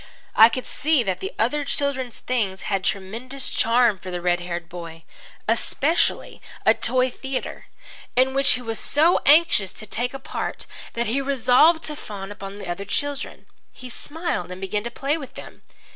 I could see that the other children's things had tremendous charm for the red haired boy, especially a toy theatre, in which he was so anxious to take a part that he resolved to fawn upon the other children. He smiled and began to play with them.